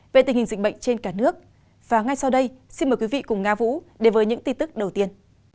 và ngay sau đây xin mời quý vị cùng nga vũ đề với những tin tức đầu tiên